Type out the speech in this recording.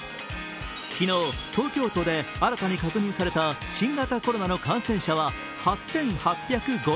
昨日、東京都で新たに確認された新型コロナの感染者は８８０５人。